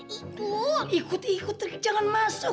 ibu ikut ikut jangan masuk